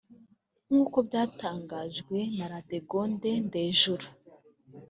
nk’uko byatangajwe na Ladegonde Ndejuru